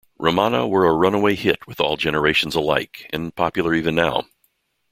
Ramana were a runaway hit with all generations alike and popular even now.